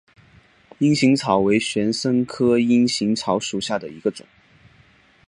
阴行草为玄参科阴行草属下的一个种。